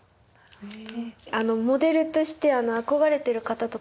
へえ。